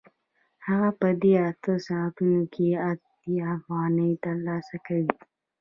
هغه په دې اته ساعتونو کې اتیا افغانۍ ترلاسه کوي